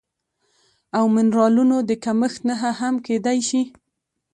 او منرالونو د کمښت نښه هم کیدی شي